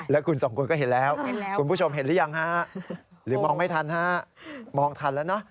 แล้วคุณสองคนก็เห็นแล้วคุณผู้ชมเห็นหรือยังฮะหรือมองไม่ทันฮะมองทันแล้วนะ